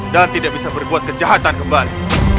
dan tidak bisa berbuat kejahatan kembali